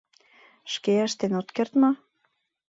— Шке ыштен от керт мо?